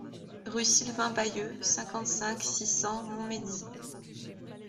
Rue Sylvain Bailleux, cinquante-cinq, six cents Montmédy